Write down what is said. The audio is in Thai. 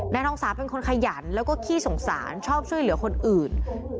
ทองสาเป็นคนขยันแล้วก็ขี้สงสารชอบช่วยเหลือคนอื่น